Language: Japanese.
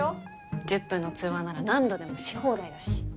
１０分の通話なら何度でもし放題だし。